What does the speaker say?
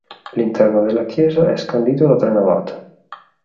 L'interno della chiesa è scandito da tre navate.